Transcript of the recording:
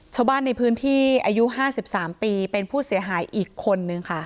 ชาวบ้านในพื้นที่อายุ๕๓ปีเป็นผู้เสียหายอีกคนนึงค่ะ